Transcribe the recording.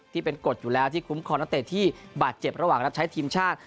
ที่เป็นกฎอยู่แล้วที่คุ้มคอนาทิตย์ที่บาดเจ็บระหว่างรับใช้ทีมชาติ